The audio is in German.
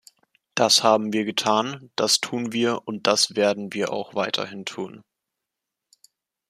Das haben wir getan, das tun wir, und das werden wir auch weiterhin tun.